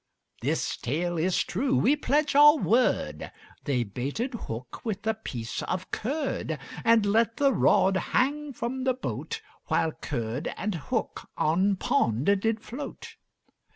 This tale is true we pledge our word, They baited hook with a piece of curd, And let the rod hang from the boat, While curd and hook on pond did float.